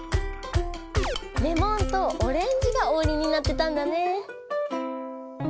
レモンとオレンジがオウリンになってたんだね。